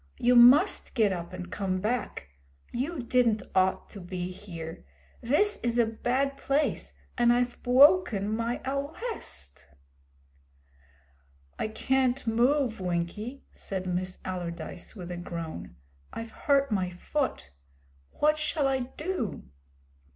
You must get up and come back. You didn't ought to be here. Vis is a bad place, and I've bwoken my awwest.' 'I can't move, Winkie,' said Miss Allardyce, with a groan. 'I've hurt my foot. What shall I do?'